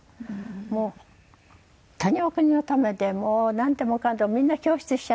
もう本当にお国のためでもうなんでもかんでもみんな供出しちゃったり。